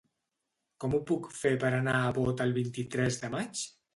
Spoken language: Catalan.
Com ho puc fer per anar a Bot el vint-i-tres de maig?